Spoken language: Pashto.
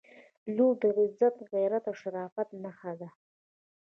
• لور د عزت، غیرت او شرافت نښه ده.